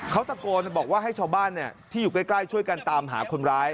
เขาตะโกนบอกว่าให้ชาวบ้านที่อยู่ใกล้ช่วยกันตามหาคนร้าย